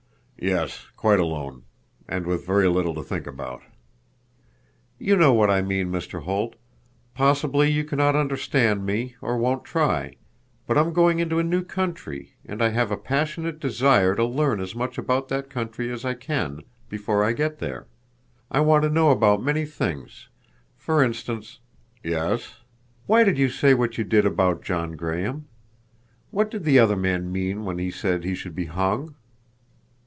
"Yes, quite alone. And with very little to think about." "You know what I mean, Mr. Holt. Possibly you can not understand me, or won't try. But I'm going into a new country, and I have a passionate desire to learn as much about that country as I can before I get there. I want to know about many things. For instance—" "Yes." "Why did you say what you did about John Graham? What did the other man mean when he said he should be hung?"